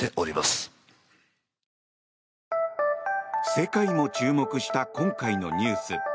世界も注目した今回のニュース。